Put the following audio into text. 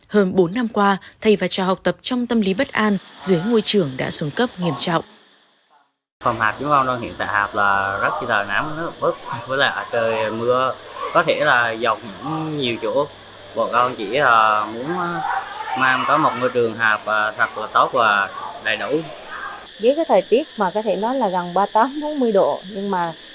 hơn bốn năm qua thầy và trò học tập trong tâm lý bất an dưới ngôi trường đã xuống cấp nghiêm trọng